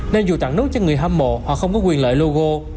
nên dù tặng nút cho người hâm mộ họ không có quyền lợi logo